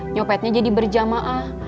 nyopetnya jadi berjamaah